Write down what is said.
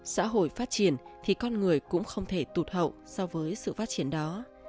xã hội phát triển thì con người cũng không thể tụt hậu so với sự phát triển đó